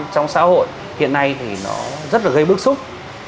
trong xã hội hiện nay thì nó rất là gây bức xúc